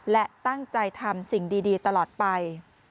และตั้งใจทำสิ่งดีตลอดไป